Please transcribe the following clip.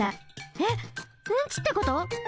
えっうんちってこと？